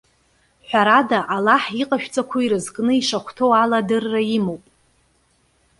Ҳәарада, Аллаҳ иҟашәҵақәо ирызкны ишахәҭоу ала адырра имоуп.